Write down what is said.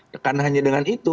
karena hanya dengan itu